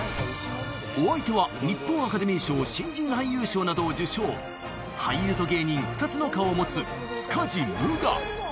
お相手は日本アカデミー賞新人俳優賞などを受賞俳優と芸人２つの顔を持つ塚地武雅